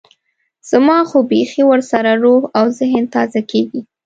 زما خو بيخي ورسره روح او ذهن تازه کېږي.